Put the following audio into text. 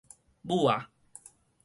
母仔